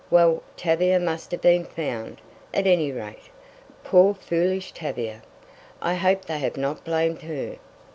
Well, Tavia must have been found, at any rate. Poor foolish Tavia! I hope they have not blamed her."